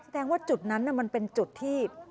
ว่าจุดนั้นมันเป็นจุดที่